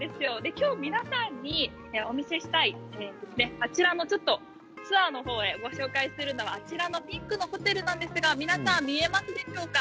今日、皆さんにお見せしたいあちらの、ツアーの方ご紹介するのはピンクのホテルなんですが皆さん見えますでしょうか。